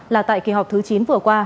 là tại kỳ họp thứ chín vừa qua